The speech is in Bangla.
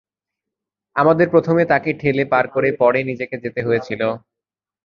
আমাদের প্রথমে তাকে ঠেলে পার করে পরে নিজেকে যেতে হয়েছিল।